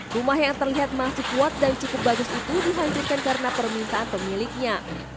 rumah yang terlihat masih kuat dan cukup bagus itu dihancurkan karena permintaan pemiliknya